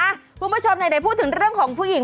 คุณผู้ชมไหนพูดถึงเรื่องของผู้หญิง